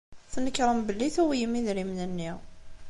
Tnekṛem belli tuwyem idrimen-nni.